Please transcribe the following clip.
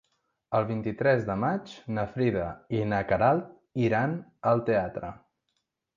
El vint-i-tres de maig na Frida i na Queralt iran al teatre.